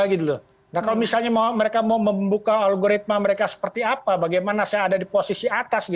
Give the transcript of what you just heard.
kalau misalnya mereka mau membuka algoritma mereka seperti apa bagaimana saya ada di posisi atas